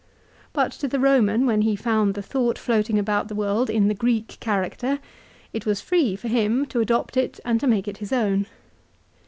But to the Boman, when he found the thought floating about the world in the Greek character, it was free, for him, to adopt it and to make it his own.